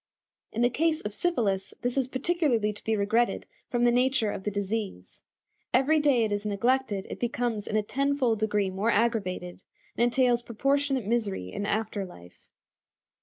In the case of syphilis this is particularly to be regretted from the nature of the disease. Every day it is neglected it becomes in a tenfold degree more aggravated, and entails proportionate misery in after life.